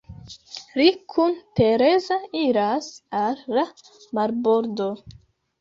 Li kun Tereza iras al la marbordo.